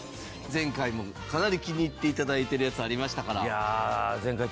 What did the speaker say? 前回もかなり気に入って頂いてるやつありましたから。